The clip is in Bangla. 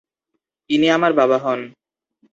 ইনি আমার বাবা হন।